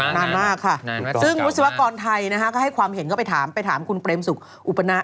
นานมากค่ะซึ่งวิศวกรไทยนะครับก็ให้ความเห็นก็ไปถามคุณเปรมศุกร์